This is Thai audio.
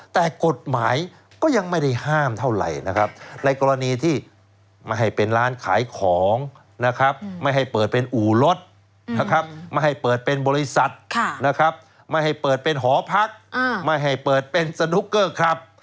แต่กฎหมายก็ยังไม่ได้ห้ามเท่าไหร่นะครับในกรณีที่ไม่ให้เป็นร้านขายของนะครับไม่ให้เปิดเป็นอู่รถนะครับไม่ให้เปิดเป็นบริษัทนะครับไม่ให้เปิดเป็นหอพักไม่ให้เปิดเป็นสนุกเกอร์ครับ